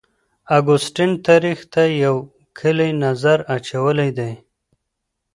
اګوستین تاریخ ته یو کلی نظر اچولی دی.